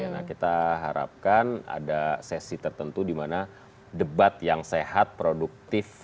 nah kita harapkan ada sesi tertentu di mana debat yang sehat produktif